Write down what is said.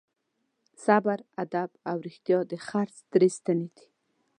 صبر، ادب او رښتیا د خرڅ درې ستنې دي.